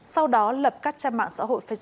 sau đó lập các trang mạng xã hội phê sơ